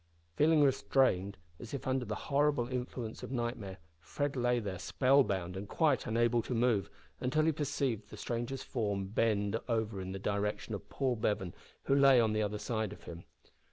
Feeling restrained, as if under the horrible influence of nightmare, Fred lay there spell bound and quite unable to move, until he perceived the stranger's form bend over in the direction of Paul Bevan, who lay on the other side of him.